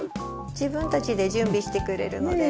自分たちで準備してくれるので。